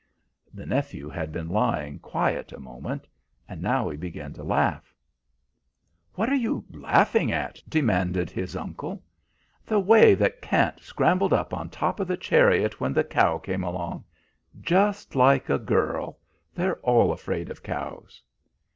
The nephew had been lying quiet a moment. Now he began to laugh. "What are you laughing at?" demanded his uncle. "The way that Khant scrambled up on top of the chariot when the cow came along. Just like a girl. They're all afraid of cows."